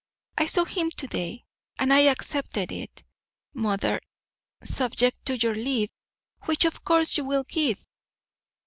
I saw him to day, and I accepted it, mother, subject to your leave, which, of course, you will give.